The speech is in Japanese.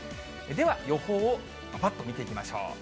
では、予報をぱぱっと見ていきましょう。